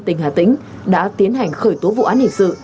tỉnh hà tĩnh đã tiến hành khởi tố vụ án hình sự